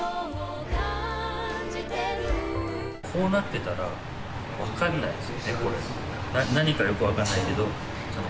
こうなってたら分かんないですよね、これ。